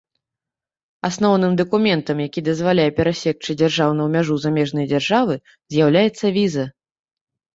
Асноўным дакументам, якія дазваляе перасекчы дзяржаўную мяжу замежнай дзяржавы, з'яўляецца віза.